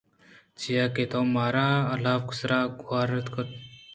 چیاکہ تو مارا الکاپ سار ءُ گور کُت